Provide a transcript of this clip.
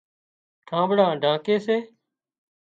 ڍانٻڙان ڍانڪي سي